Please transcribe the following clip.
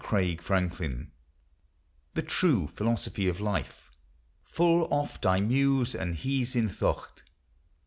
ANONYMOUS. THE TRUE PHILOSOPHY OF LIFE. Full oft I muse and hes in thocht.